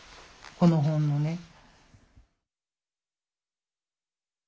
この本のね。